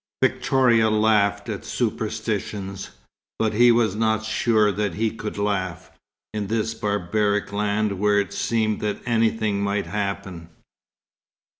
Victoria laughed at superstitions, but he was not sure that he could laugh, in this barbaric land where it seemed that anything might happen.